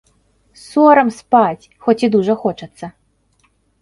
Сорам спаць, хоць і дужа хочацца.